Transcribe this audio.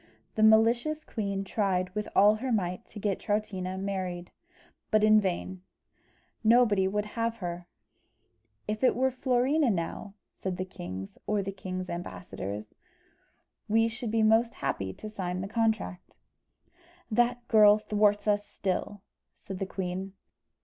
The malicious queen tried with all her might to get Troutina married, but in vain. Nobody would have her. "If it were Florina, now," said the kings, or the kings' ambassadors, "we should be most happy to sign the contract." "That girl thwarts us still," said the queen.